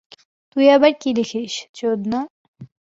তুই আবার কি দেখিস, চোদনা।